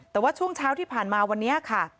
แต่ว่าช่วงเช้าที่ผ่านมาวันนี้ค่ะ